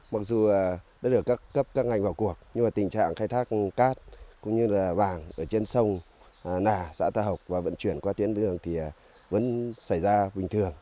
mặc dù đã được cấp các ngành vào cuộc nhưng tình trạng khai thác cát cũng như vàng trên sông nà xã tà học và vận chuyển qua tuyến đường vẫn xảy ra bình thường